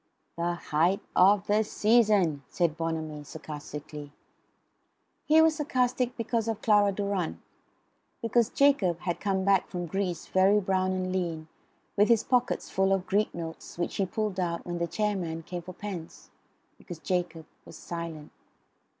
"The height of the season," said Bonamy sarcastically. He was sarcastic because of Clara Durrant; because Jacob had come back from Greece very brown and lean, with his pockets full of Greek notes, which he pulled out when the chair man came for pence; because Jacob was silent.